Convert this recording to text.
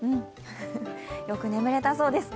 よく眠れたそうです。